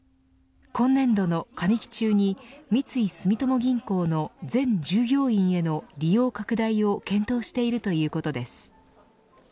今年度の上期中に三井住友銀行の全従業員への利用拡大を検討しているということです。